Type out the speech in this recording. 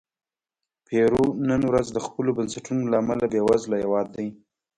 پیرو نن ورځ د خپلو بنسټونو له امله بېوزله هېواد دی.